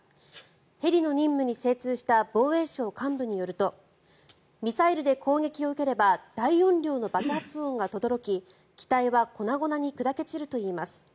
ヘリの任務に精通した防衛省幹部によるとミサイルで攻撃を受ければ大音量の爆発音がとどろき機体は粉々に砕け散るといいます。